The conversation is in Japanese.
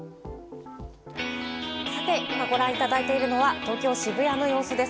さて今、ご覧いただいているのは東京・渋谷の様子です。